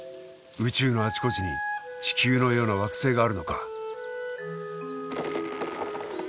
宇宙のあちこちに地球のような惑星があるのか。